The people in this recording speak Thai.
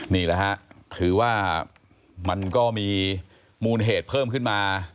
นี่แหละฮะถือว่ามันก็มีมูลเหตุเพิ่มขึ้นมา